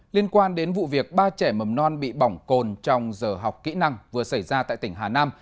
liên quan đến vụ việc ba trẻ mầm non bị bỏng cồn trong giờ học kỹ năng vừa xảy ra tại tỉnh hà nam